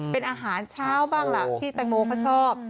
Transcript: เป็นอาหารเช้าบ้างล่ะที่แตงโมเขาชอบ